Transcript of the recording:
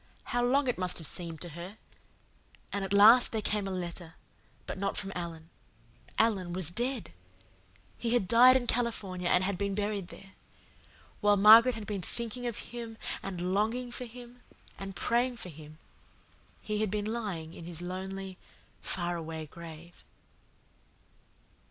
How long it must have seemed to her! And at last there came a letter but not from Alan. Alan was DEAD. He had died in California and had been buried there. While Margaret had been thinking of him and longing for him and praying for him he had been lying in his lonely, faraway grave."